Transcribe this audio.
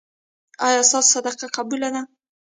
ایا ستاسو صدقه قبوله ده؟